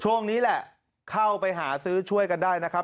ช่วงนี้แหละเข้าไปหาซื้อช่วยกันได้นะครับ